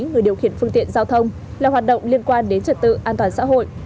người điều khiển phương tiện giao thông là hoạt động liên quan đến trật tự an toàn xã hội